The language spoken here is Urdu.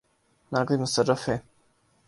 نہ کوئی مصرف ہے۔